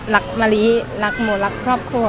รักมารีรักโมรักครอบครัว